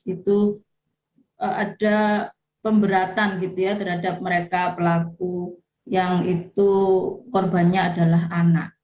itu ada pemberatan gitu ya terhadap mereka pelaku yang itu korbannya adalah anak